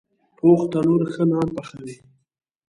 پوخ تنور ښه نان پخوي